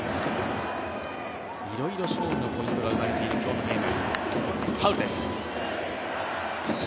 いろいろ勝負のポイントが生まれている今日のゲーム。